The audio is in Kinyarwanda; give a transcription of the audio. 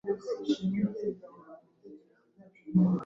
udashaka ko izina ryanyu rimenyekana wakoresha alias,